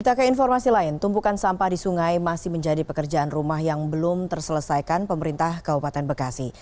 kita ke informasi lain tumpukan sampah di sungai masih menjadi pekerjaan rumah yang belum terselesaikan pemerintah kabupaten bekasi